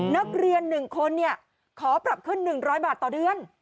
นักเรียน๑คนขอปรับขึ้น๑๐๐บาทต่อเดือน